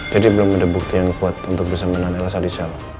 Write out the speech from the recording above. jadi belum ada bukti yang kuat untuk bersambanan elsa di jalan